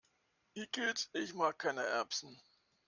Igitt, ich mag keine Erbsen!